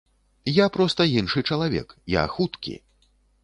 Я проста іншы чалавек, я хуткі.